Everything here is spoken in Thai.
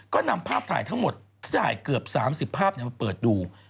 ก็นำภาพถ่ายทั้งหมดที่ถ่ายเกือบ๓๐ภาพมาเปิดดู